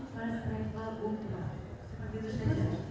masih tidak bisa